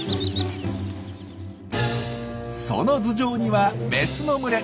その頭上にはメスの群れ。